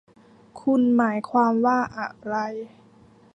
คุณหมายความว่าอะไร